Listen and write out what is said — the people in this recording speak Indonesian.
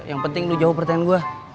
yang penting lu jawab pertanyaan gue